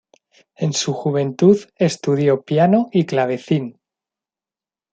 En su juventud estudió piano y clavecín.